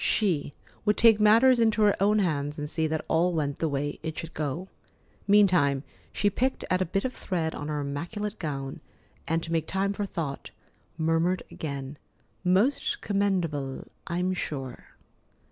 She would take matters into her own hands and see that all went the way it should go. Meantime, she picked at a bit of thread on her immaculate gown, and, to make time for thought, murmured again: "Most commendable, I'm sure."